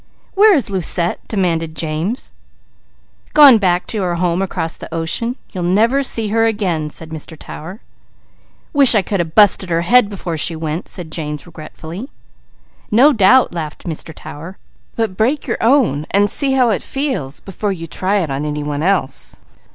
"Where is Lucette?" demanded James. "Gone back to her home across the ocean; you'll never see her again," said Mr. Tower. "Wish I could a busted her head before she went!" said James regretfully. "No doubt," laughed Mr. Tower. "But break your own and see how it feels before you try it on any one else."